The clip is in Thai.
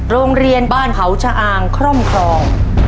โรงเรียนบ้านเขาชะอางคร่อมครอง